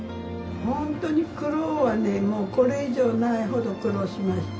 ホントに苦労はねこれ以上ないほど苦労しました。